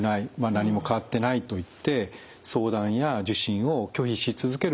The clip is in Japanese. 何も変わってない」と言って相談や受診を拒否し続ける方もいらっしゃいます。